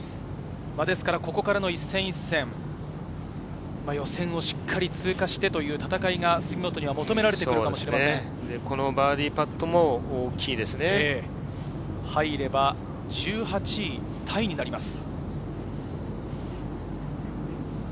ですから、ここからの一戦一戦、予選をしっかり通過してという戦いが、杉本には求められるかもしこのバーディーパットも入れば１８位タイになります。